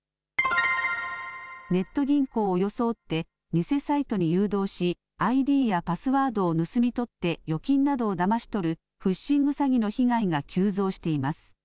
ネット銀行を装って、偽サイトに誘導し、ＩＤやパスワードを盗み取って預金などをだまし取るフィッシング詐欺の被害が急増しています。